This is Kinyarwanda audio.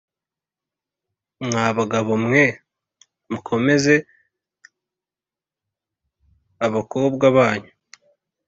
mwa bagabo mwe mukomeze abakobwa banyu